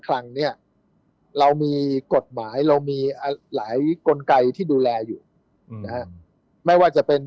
ครั้งเนี่ยเรามีกฎหมายเรามีหลายกลไกที่ดูแลอยู่นะฮะไม่ว่าจะเป็น